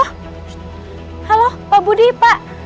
halo pak budi pak